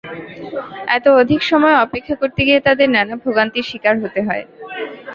এত অধিক সময় অপেক্ষা করতে গিয়ে তাঁদের নানা ভোগান্তির শিকার হতে হয়।